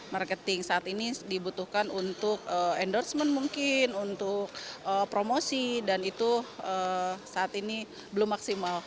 marketing saat ini dibutuhkan untuk endorsement mungkin untuk promosi dan itu saat ini belum maksimal